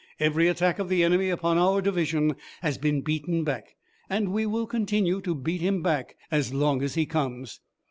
Every attack of the enemy upon our division has been beaten back, and we will continue to beat him back as long as he comes."